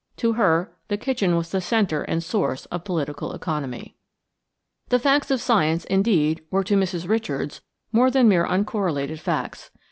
To her the kitchen was the center and source of political economy. The facts of science, indeed, were to Mrs. Richards more than mere uncorrelated facts.